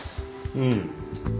うん。